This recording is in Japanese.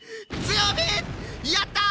やった！